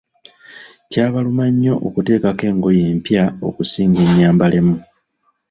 Kya bulamu nnyo okuteekako engoye empya okusinga enyambalemu.